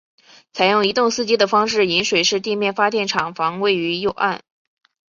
采用一洞四机的方式引水式地面发电厂房位于右岸。